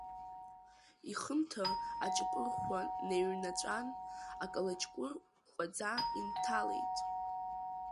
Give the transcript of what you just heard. Ихымҭа аҷапырхәа неиҩнаҵәан, акалаҷкәыр кәкәаӡа инҭалеит.